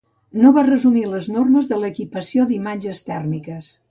No va resumir les normes de l'equipació d'imatges tèrmiques.